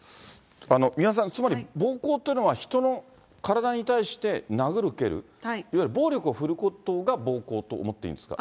三輪さん、つまり暴行というのは、人の体に対して、殴る蹴る、いわゆる暴力を振るうことが暴行と思っていいんですか？